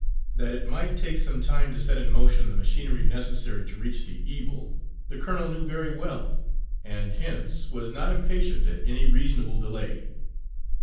That it might take some time to set in motion the machinery necessary to reach the evil, the colonel knew very well, and hence was not impatient at any reasonable delay.